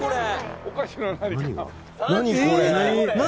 何？